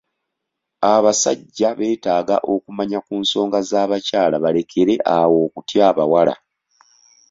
Abasajja beetaaga okumanya ku nsonga z'abakyala balekere awo okutya abawala.